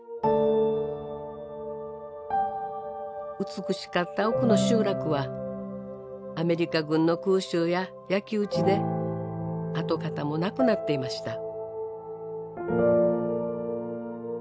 美しかった奥の集落はアメリカ軍の空襲や焼き打ちで跡形もなくなっていました。